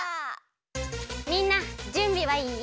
みんなじゅんびはいい？